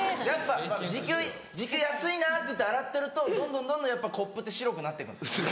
やっぱ時給安いなっていって洗ってるとどんどんどんどんやっぱコップって白くなってくんですよ。